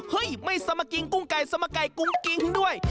เฮ้ยไม่สมกริงกุ้งไก่สมกริงกุ้งกริงด้วย